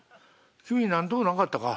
君何ともなかったか？」。